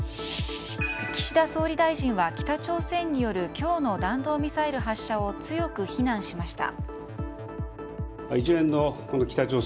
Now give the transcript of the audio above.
岸田総理大臣は北朝鮮による今日の弾道ミサイル発射を強く非難しました。